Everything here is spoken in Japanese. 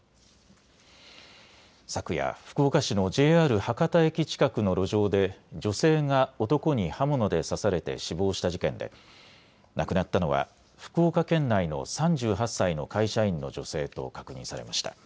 昨夜、福岡市のＪＲ博多駅近くの路上で女性が男に刃物で刺されて死亡した事件で亡くなったのは福岡県内の３８歳の会社員の女性と確認されました。